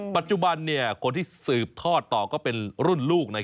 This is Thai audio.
ปัจจุบันคนที่สืบทอดต่อก็เป็นรุ่นลูก